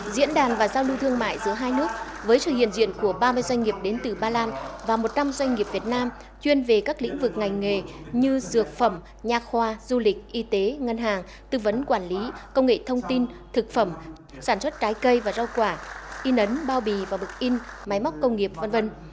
diễn đàn và giao lưu thương mại giữa hai nước với sự hiện diện của ba mươi doanh nghiệp đến từ ba lan và một trăm linh doanh nghiệp việt nam chuyên về các lĩnh vực ngành nghề như dược phẩm nhà khoa du lịch y tế ngân hàng tư vấn quản lý công nghệ thông tin thực phẩm sản xuất trái cây và rau quả in ấn bao bì và vực in máy móc công nghiệp v v